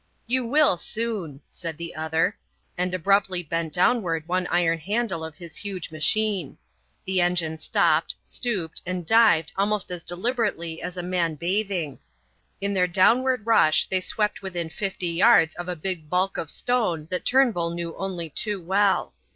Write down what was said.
"You will soon," said the other, and abruptly bent downward one iron handle of his huge machine. The engine stopped, stooped, and dived almost as deliberately as a man bathing; in their downward rush they swept within fifty yards of a big bulk of stone that Turnbull knew only too well.